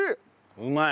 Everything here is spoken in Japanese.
うまい！